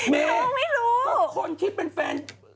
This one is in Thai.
แม่อะไรหรอไม่รู้แม่คนที่เป็นแฟน